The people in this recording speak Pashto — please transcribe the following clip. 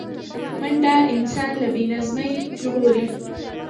منډه انسان له بې نظمۍ ژغوري